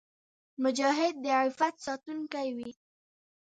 مجاهد د عفت ساتونکی وي.